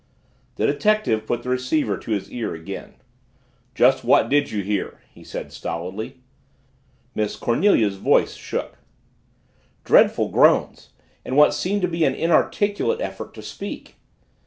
The detective put the receiver to his ear again. "Just what did you hear?" he said stolidly. Miss Cornelia's voice shook. "Dreadful groans and what seemed to be an inarticulate effort to speak!"